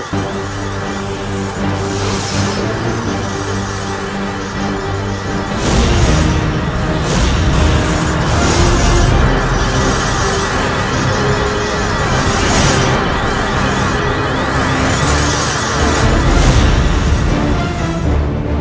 potong tubuhnya lalu laselah didesakmu stmonkey